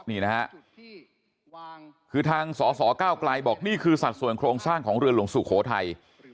นี่นะฮะคือทางสสเก้าไกลบอกนี่คือสัดส่วนโครงสร้างของเรือหลวงสุโขทัย